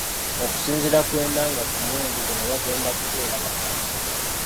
Okusinziira ku Enanga ku mulundi guno bagenda kubeera bakambwe.